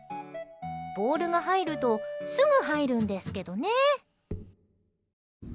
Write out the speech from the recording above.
ボールが入るとすぐ入るんですけどね。